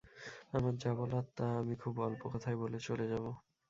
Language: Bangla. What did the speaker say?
আমার যা বলার তা আমি খুব অল্প কথায় বলে চলে যাব।